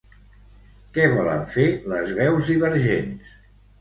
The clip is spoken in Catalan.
Què volen fer les veus divergents?